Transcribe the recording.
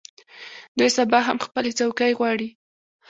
دوی سبا هم خپلې څوکۍ غواړي.